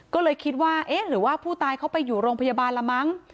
ก็เลยคิดว่าเอ๊ะหรือว่าผู้ตายเขาไปอยู่โรงพยาบาลละมั้ง